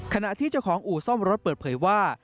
ขณะที่เจ้าของอู่ซ่อมรถเปิดเผยว่า